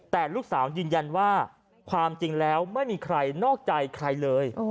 แต่ลูกสาวยืนยันว่าความจริงแล้วไม่มีใครนอกใจใครเลย